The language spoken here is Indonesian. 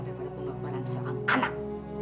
daripada pengorbanan seorang anak